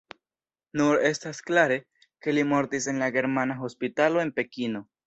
Nur estas klare, ke li mortis en la Germana Hospitalo en Pekino.